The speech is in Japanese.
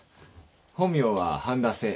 本名は半田清。